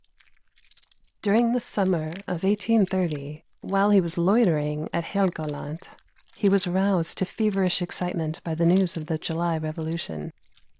During the summer of 1830, while he was loitering at Helgoland, he was roused to feverish excitement by the news of the July Revolution.